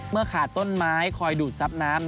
เมื่อขาดต้นไม้คอยดูดซับน้ำ